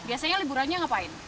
biasanya liburannya ngapain